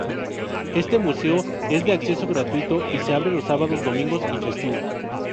Este museo es de acceso gratuito y se abre los sábados, domingos y festivos.